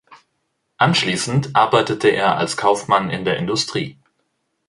Anschließend arbeitete er als Kaufmann in der Industrie.